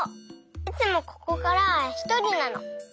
いつもここからはひとりなの。